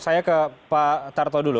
saya ke pak tarto dulu